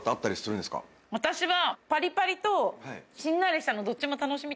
私は。